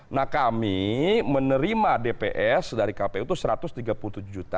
nah kami menerima dps dari kpu itu satu ratus tiga puluh tujuh juta